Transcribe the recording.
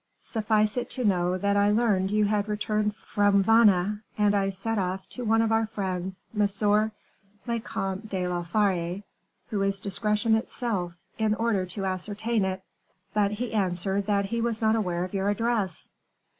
"Suffice it to know that I learned you had returned from Vannes, and I sent off to one of our friends, M. le Comte de la Fere, who is discretion itself, in order to ascertain it, but he answered that he was not aware of your address."